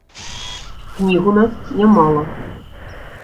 Кніг у нас нямала.